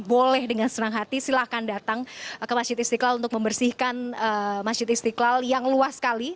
boleh dengan senang hati silahkan datang ke masjid istiqlal untuk membersihkan masjid istiqlal yang luas sekali